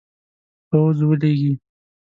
پوځ ولیږي.